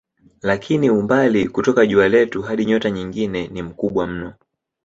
Lakini umbali kutoka jua letu hadi nyota nyingine ni mkubwa mno.